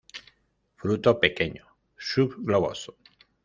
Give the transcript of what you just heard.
Fruto pequeño, subgloboso.